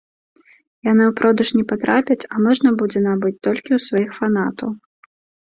Яны ў продаж не патрапяць, а можна будзе набыць толькі ў сваіх фанатаў.